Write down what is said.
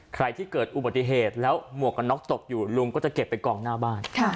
ใครที่เกิดอุบัติเหตุแล้วหมวกกันน็อกตกอยู่ลุงก็จะเก็บไปกองหน้าบ้าน